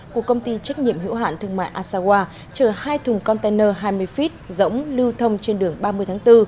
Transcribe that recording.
của công ty trách nhiệm hữu hạn thương mại asawa chờ hai thùng container hai mươi feet rỗng lưu thông trên đường ba mươi tháng bốn